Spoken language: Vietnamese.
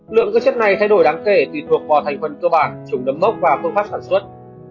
lượng dư chất này thay đổi đáng kể tùy thuộc vào thành phần cơ bản chủng nấm mốc và phương pháp sản xuất